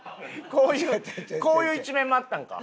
こういうこういう一面もあったんか。